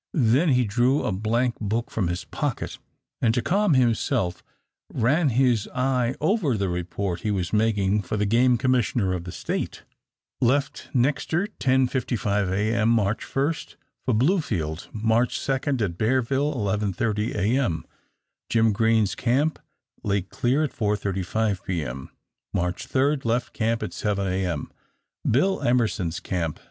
Then he drew a blank book from his pocket, and to calm himself ran his eye over the report he was making for the game commissioner of the State. "Left Nexter 10.55 A. M. March 1, for Bluefield. March 2 at Bearville 11.30 A. M. Jim Greene's camp Lake Clear at 4.35 P. M. March 3 left camp at 7 A. M. Bill Emerson's camp 9.